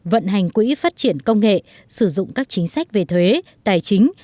vận hành quỹ phát triển công nghệ sử dụng các chính sách về thuế tài chính